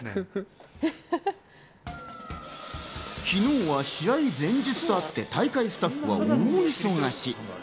昨日は試合前日とあって大会スタッフは大忙し。